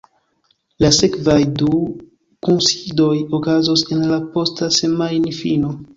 La sekvaj du kunsidoj okazos en la posta semajnfino.